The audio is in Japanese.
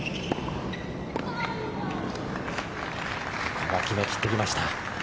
ここは決め切ってきました。